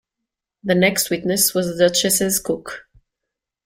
The next witness was the Duchess’s cook.